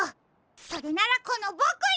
それならこのボクに！